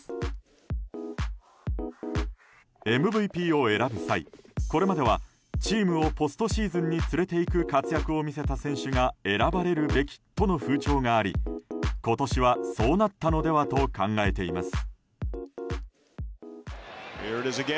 ＭＶＰを選ぶ際、これまではチームをポストシーズンに連れていく活躍を見せた選手が選ばれるべきとの風潮があり今年はそうなったのではと考えています。